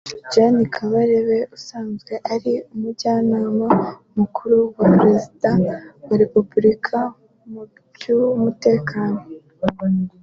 Gen Kabarebe usanzwe ari Umujyanama Mukuru wa Perezida wa Repubulika mu by’umutekano